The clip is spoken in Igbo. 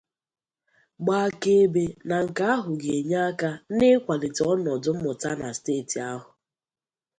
gbaa akaebe na nke ahụ ga-enye aka n'ịkwàlite ọnọdụ mmụta steeti ahụ